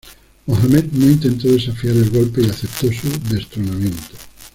Mohammed no intentó desafiar el golpe y aceptó su destronamiento.